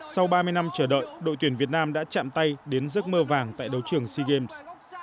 sau ba mươi năm chờ đợi đội tuyển việt nam đã chạm tay đến giấc mơ vàng tại đấu trường sea games